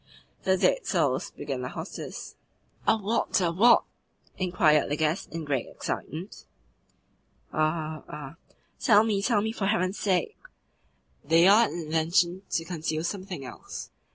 "The dead souls," began the hostess. "Are what, are what?" inquired the guest in great excitement. "Are, are " "Tell me, tell me, for heaven's sake!" "They are an invention to conceal something else.